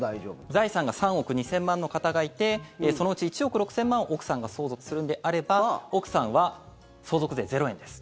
財産が３億２０００万の方がいてそのうち１億６０００万を奥さんが相続するのであれば奥さんは相続税０円です。